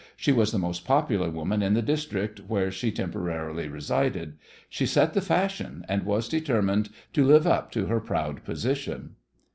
She was the most popular woman in the district where she temporarily resided. She set the fashion, and was determined to live up to her proud position.